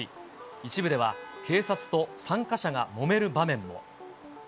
一部では警察と参加者がもめる場面も。